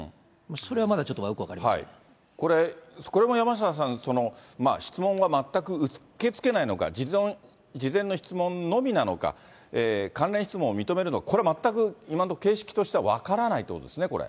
それはまだちょっとよく分かりまこれ、これも山下さん、質問は全く受け付けないのか、事前の質問のみなのか、関連質問を認めるのか、これ全く、今のところ、形式としては分からないということですね。